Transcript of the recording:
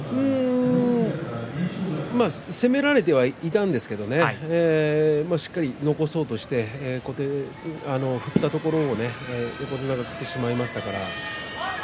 攻められてはいたんですけれどもねしっかりと残そうとして小手に振ったところを横綱が食ってしまいましたから。